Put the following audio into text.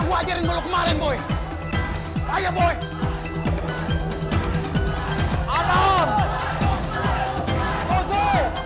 buat rei tapi bukan buat boy tahu